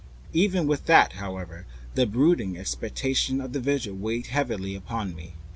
Even with that, however, the brooding expectation of the vigil weighed heavily enough upon me.